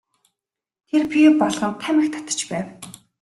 Тэр пиво балган тамхи татаж байв.